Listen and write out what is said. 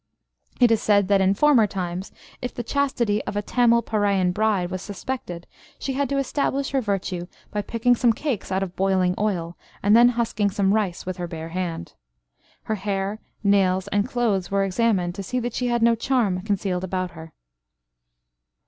It is said that, in former times, if the chastity of a Tamil Paraiyan bride was suspected, she had to establish her virtue by picking some cakes out of boiling oil, and then husking some rice with her bare hand. Her hair, nails, and clothes were examined, to see that she had no charm concealed about her.